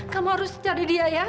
kamu harus cari dia ya